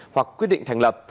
hoặc quyết định thành lập